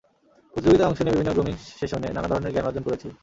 প্রতিযোগিতায় অংশ নিয়ে বিভিন্ন গ্রুমিং সেশনে নানা ধরনের জ্ঞান অর্জন করেছি।